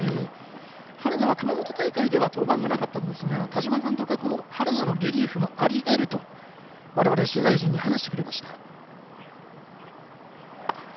原田は熊本大会では登板がなかったんですが田島監督は原田のリリーフはありうるとわれわれ取材陣に話してくれました。